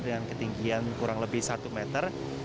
dengan ketinggian kurang lebih satu meter